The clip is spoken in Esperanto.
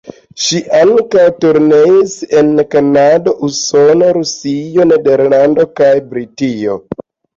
Ŝi ankaŭ turneis en Kanado, Usono, Rusio, Nederlando kaj Britio.